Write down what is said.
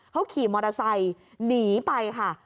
เขาขี่มอเตอร์ไซค์หนีไปค่ะ